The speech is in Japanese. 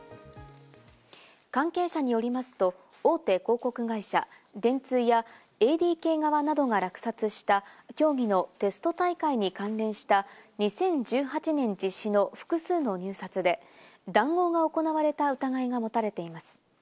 関係者によりますと、大手広告会社・電通やＡＤＫ側などが落札した競技のテスト大会に関連した２０１８年実施の複数の入札で、談合が行われた疑いが持たれています。